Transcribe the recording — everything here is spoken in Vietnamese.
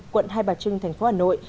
quận hai bà trưng tp hà nội